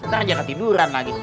ntar aja ke tiduran lagi